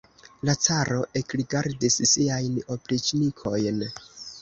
La caro ekrigardis siajn opriĉnikojn.